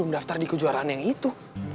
mendaftar di kejuaraan yang itu